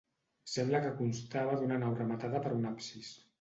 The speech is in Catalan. Sembla que constava d'una nau rematada per un absis.